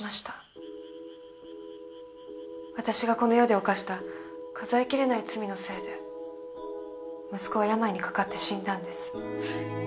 私がこの世で犯した数えきれない罪のせいで息子は病にかかって死んだんです。